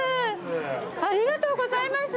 ありがとうございます。